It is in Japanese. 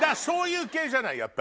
そういう系じゃない？